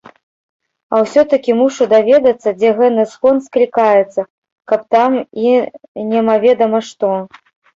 А ўсё-такі мушу даведацца, дзе гэны сход склікаецца, каб там і немаведама што!